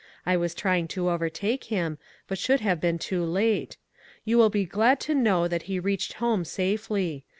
I was trying to overtake him, but should have been too late. You will be glad to know that he reached home safely.